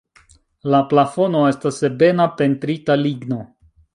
La plafono estas ebena pentrita ligno.